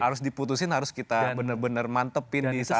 harus diputusin harus kita bener bener mantepin di saat itu